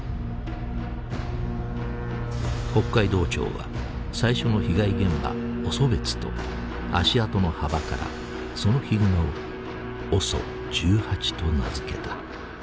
北海道庁は最初の被害現場オソベツと足跡の幅からそのヒグマをＯＳＯ１８と名付けた。